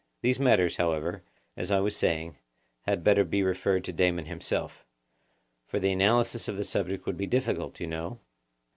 These matters, however, as I was saying, had better be referred to Damon himself, for the analysis of the subject would be difficult, you know?